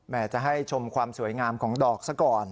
จะให้ชมความสวยงามของดอกซะก่อน